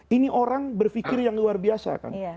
ini orang berpikir yang luar biasa kan